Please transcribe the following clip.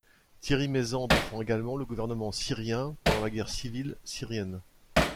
Thierry Meyssan défend également le gouvernement syrien pendant la guerre civile syrienne.